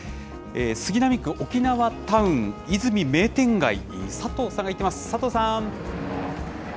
杉並区、沖縄タウン・和泉明店街に佐藤さんが行ってます、佐藤さん。